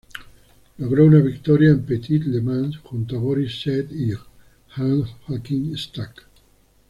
Logró una victoria en Petit Le Mans junto a Boris Said y Hans-Joachim Stuck.